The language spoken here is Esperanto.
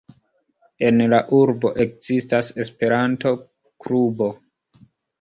En la urbo ekzistas Esperanto-klubo.